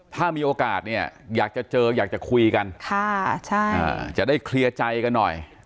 ถ้ามีโอกาสเนี่ยอยากจะเจออยากจะคุยกันจะได้เคลียร์ใจกันหน่อย